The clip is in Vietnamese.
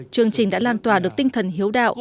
chương trình đã lan tỏa được tinh thần hiếu đạo